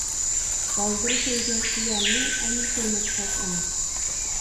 بالدۇر سۆيگەن شۇ يارنى، ئەمدى سۆيمەك تەس ئەمەس.